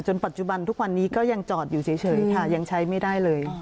ปัจจุบันทุกวันนี้ก็ยังจอดอยู่เฉยค่ะยังใช้ไม่ได้เลย